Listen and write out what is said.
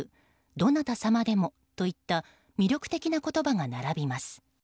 どなたさまでもといった魅力的な言葉が並びます。